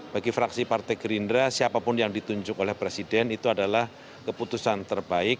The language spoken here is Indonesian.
bagi fraksi partai gerindra siapapun yang ditunjuk oleh presiden itu adalah keputusan terbaik